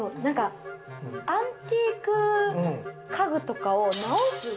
アンティーク家具とかを直す？